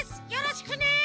よろしくね。